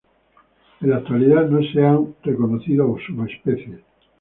En la actualidad no se han reconocido subespecies.